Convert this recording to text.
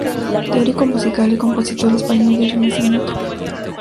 Teórico musical y compositor español del Renacimiento.